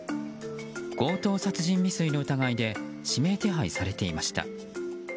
強盗殺人未遂の疑いで指名手配されていました。